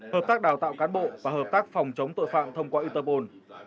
hợp tác đào tạo cán bộ và hợp tác phòng chống tội phạm thông qua interpol